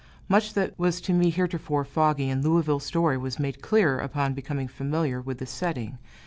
Much that was to me heretofore foggy in Louisville story was made clear, upon becoming familiar with the setting.